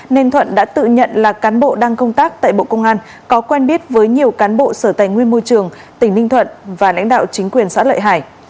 nên thuận đã tự nhận là cán bộ đang công tác tại bộ công an có quen biết với nhiều cán bộ sở tài nguyên môi trường tỉnh ninh thuận và lãnh đạo chính quyền xã lợi hải